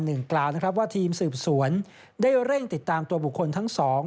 หนึ่งกล่าวว่าทีมสืบสวนได้เร่งติดตามตัวบุคคลทั้งสอง